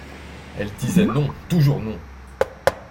Elle disait non, toujours non.